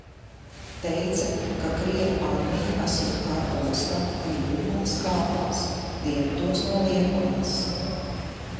Teica, ka krievu armija esot Kara ostā un jūrmalas kāpās, dienvidos no Liepājas.